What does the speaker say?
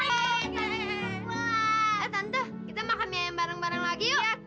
tante kita makan miayam bareng bareng lagi yuk